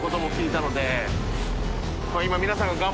今皆さんが関）